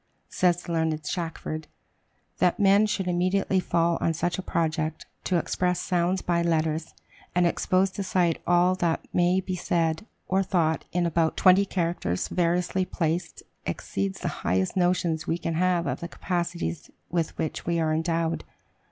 Says the learned Shackford, "That men should immediately fall on such a project, to express sounds by letters, and expose to sight all that may be said or thought in about twenty characters variously placed, exceeds the highest notions we can have of the capacities with which we are endowed."